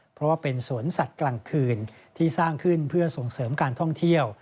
เพราะว่าเป็นสวนสัตว์กลางคืนที่สร้างขึ้นเพื่อส่งเสริมการท่องเที่ยว